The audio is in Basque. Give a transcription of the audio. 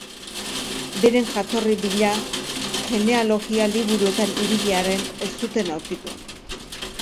Beren jatorri bila genealogia-liburuetan ibili arren, ez zuten aurkitu.